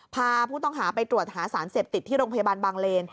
พาผู้ต้องไปตรวจสัญเส็จติดที่โรงพยาบาลบางเวร